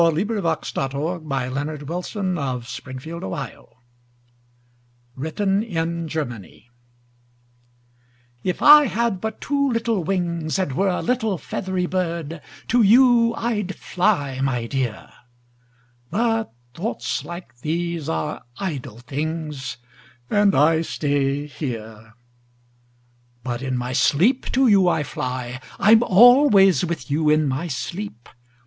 Letter, 1799. SOMETHING CHILDISH, BUT VERY NATURAL[313:1] WRITTEN IN GERMANY If I had but two little wings And were a little feathery bird, To you I'd fly, my dear! But thoughts like these are idle things, And I stay here. 5 But in my sleep to you I fly: I'm always with you in my sleep!